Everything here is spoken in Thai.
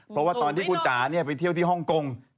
เพราะว่าตอนที่คุณจ๋าไปเที่ยวที่ฮ่องกง